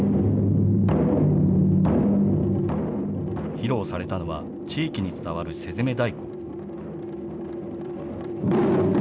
披露されたのは、地域に伝わる瀬詰太鼓。